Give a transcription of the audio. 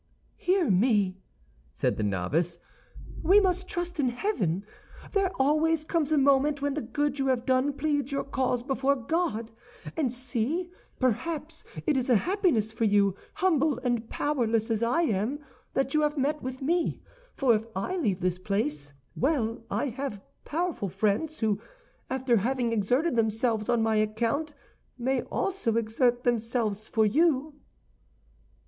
"Hear me," said the novice; "we must trust in heaven. There always comes a moment when the good you have done pleads your cause before God; and see, perhaps it is a happiness for you, humble and powerless as I am, that you have met with me, for if I leave this place, well—I have powerful friends, who, after having exerted themselves on my account, may also exert themselves for you."